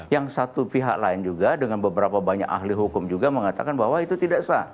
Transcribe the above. yang satu pihak lain juga dengan beberapa banyak ahli hukum juga mengatakan bahwa itu tidak sah